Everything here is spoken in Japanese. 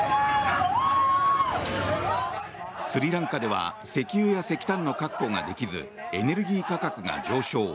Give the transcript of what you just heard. スリランカでは石油や石炭の確保ができずエネルギー価格が上昇。